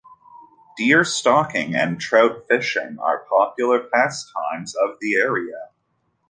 Deer stalking and trout fishing are popular pastimes of the area.